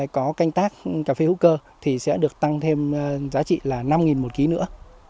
có canh tác cà phê hữu cơ thì sẽ được tăng thêm giá trị là năm một ký nữa